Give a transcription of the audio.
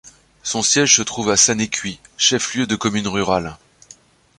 Son siège se trouve à Sanekuy, Chef-lieu de commune rurale.